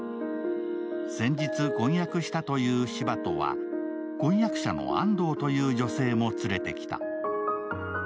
先日、婚約したという司馬戸は婚約者の安藤という女性も連れてきた。